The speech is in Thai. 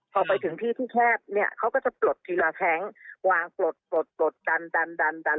พอไปถึงที่แคดเนี่ยเขาก็จะปลดทีลาแทงค์วางปลดดัน